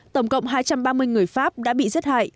tổng cộng hai trăm ba mươi người pháp đã bị giết hại